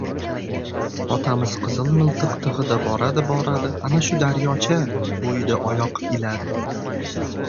Otamiz Qizil miltiq tig‘ida boradi-boradi — ana shu daryocha bo‘yida oyoq iladi.